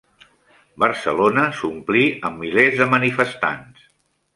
Barcelona s'ompli amb milers de manifestants